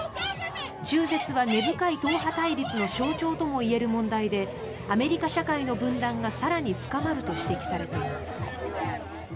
中絶は根深い党派対立の象徴ともいえる問題でアメリカ社会の分断が更に深まると指摘されています。